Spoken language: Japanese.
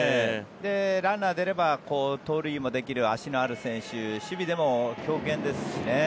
ランナーが出れば盗塁もできる足のある選手守備でも強肩ですしね。